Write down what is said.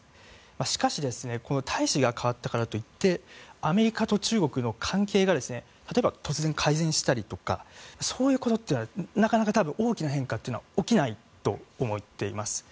しかしこの大使が代わったからといってアメリカと中国の関係が突然改善したりとかそういうことってなかなか大きな変化は起きないと思っています。